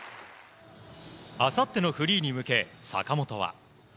あさってのフリーに向け坂本は。